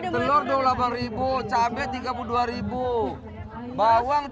telur rp dua puluh delapan cabai rp tiga puluh dua bawang rp tiga puluh dua